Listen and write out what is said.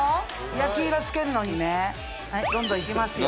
焼き色つけるのにねはいどんどんいきますよ